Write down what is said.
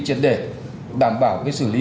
chiến đề đảm bảo cái xử lý